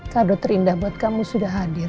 kado terindah buat kamu sudah hadir